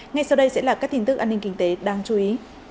ngay sau đây sẽ là các tin tức an ninh kinh tế đáng chú ý